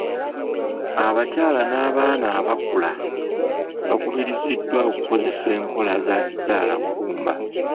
Abakyala n'abaana abakula bakubiriziddwa okukozesa enkola za kizaalaggumba.